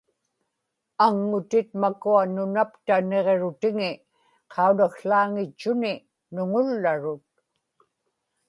aŋŋutit makua nunapta niġrutiŋi qaunakł̣aaŋitchuni nuŋullarut